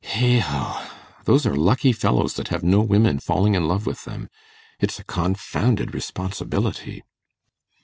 Heigho! Those are lucky fellows that have no women falling in love with them. It's a confounded responsibility.